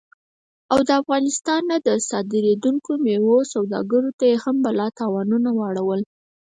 او افغانستان نه د صادرېدونکو میوو سوداګرو ته یې هم بلا تاوانونه ور واړول